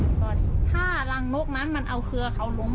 ถักมีแพร่หนุงของเนาะวง